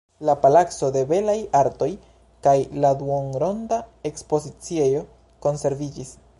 La "palaco de belaj artoj" kaj la duonronda ekspoziciejo konserviĝis.